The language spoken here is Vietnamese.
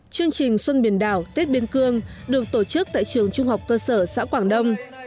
chương trình xuân biển đảo tết biên cương được tổ chức tại trường trung học cơ sở xã quảng đông